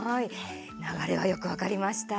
流れがよく分かりました。